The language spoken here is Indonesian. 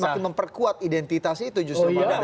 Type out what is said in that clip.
semakin memperkuat identitas itu justru pak jokowi